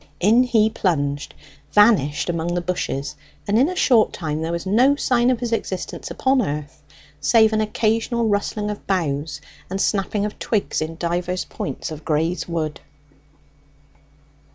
In he plunged, vanished among the bushes, and in a short time there was no sign of his existence upon earth, save an occasional rustling of boughs and snapping of twigs in divers points of Grey's Wood.